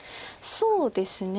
そうですね。